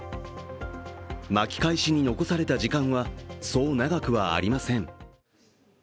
巻き返しに残された時間はそう長くはありません。